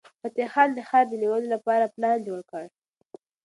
فتح خان د ښار د نیولو لپاره پلان جوړ کړ.